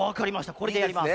これでやります。